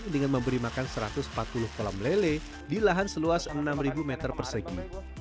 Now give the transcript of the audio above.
dengan memberi makan satu ratus empat puluh kolam lele di lahan seluas enam meter persegi